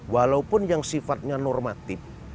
walaupun yang sifatnya normatif